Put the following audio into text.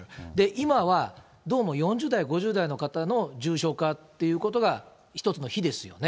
今はどうも、４０代、５０代の方の重症化ということが一つの火ですよね。